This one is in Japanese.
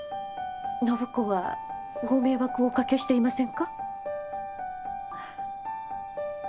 暢子はご迷惑をおかけしていませんか？